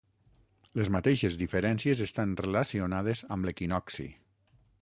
Les mateixes diferències estan relacionades amb l'equinocci.